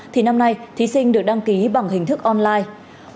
thì năm nay thí sinh được đăng ký bằng hình thức online